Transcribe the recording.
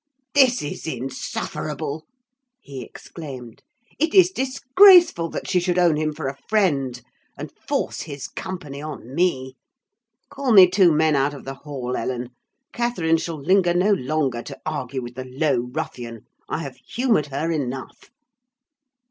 "This is insufferable!" he exclaimed. "It is disgraceful that she should own him for a friend, and force his company on me! Call me two men out of the hall, Ellen. Catherine shall linger no longer to argue with the low ruffian—I have humoured her enough."